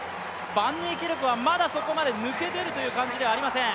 バンニーキルクはまだそこまで抜け出るという感じではありません。